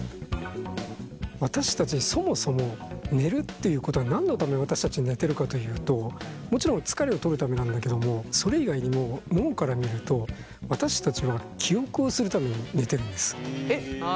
私たちそもそも寝るっていうことが何のために私たち寝てるかというともちろん疲れをとるためなんだけどもそれ以外にもえっ寝てる間に記憶をするってこと？